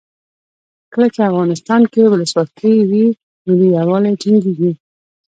کله چې افغانستان کې ولسواکي وي ملي یووالی ټینګیږي.